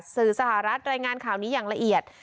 สื่อสหรัฐรายงานข่าวนี้อย่างละเอียด